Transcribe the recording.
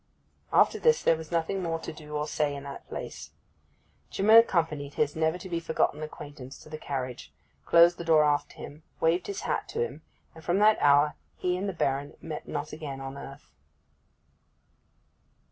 After this there was nothing more to do or say in that place. Jim accompanied his never to be forgotten acquaintance to the carriage, closed the door after him, waved his hat to him, and from that hour he and the Baron met not again on earth.